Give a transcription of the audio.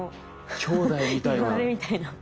きょうだいみたいな。みたいな。